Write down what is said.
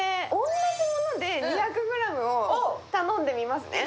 同じもので２００ｇを頼んでみますね。